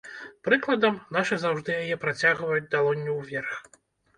Прыкладам, нашы заўжды яе працягваюць далонню ўверх.